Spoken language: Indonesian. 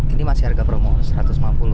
ini masih harga promo rp satu ratus lima puluh